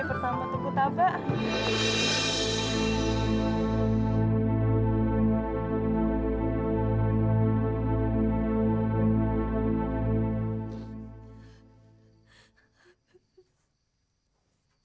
sampai sampai dimuliakan di luar itu